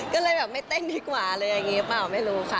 ก็เลยแบบไม่เต้นดีกว่าอะไรอย่างนี้หรือเปล่าไม่รู้ค่ะ